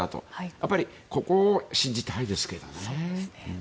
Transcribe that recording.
やっぱりここを信じたいですね。